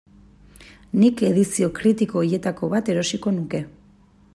Nik edizio kritiko horietako bat erosiko nuke.